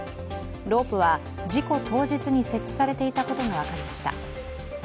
ロープは事故当日に設置されていたことが分かりました。